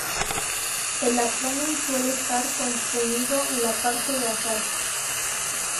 El abdomen suele estar constreñido en la parte basal.